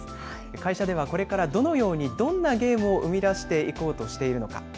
会社ではこれからどのように、どんなゲームを生み出していこうとしているのか。